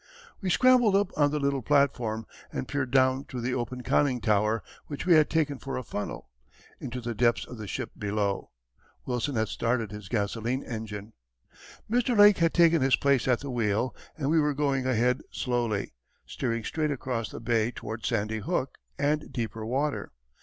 We scrambled up on the little platform, and peered down through the open conning tower, which we had taken for a funnel, into the depths of the ship below. Wilson had started his gasoline engine. Mr. Lake had taken his place at the wheel, and we were going ahead slowly, steering straight across the bay toward Sandy Hook and deeper water.